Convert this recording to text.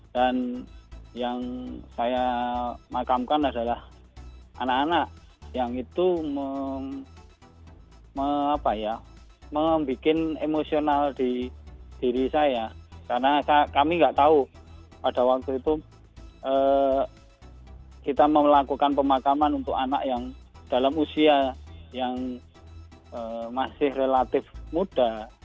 dan yang saya makamkan adalah anak anak yang itu membuat emosional diri saya karena kami tidak tahu pada waktu itu kita melakukan pemakaman untuk anak yang dalam usia yang masih relatif muda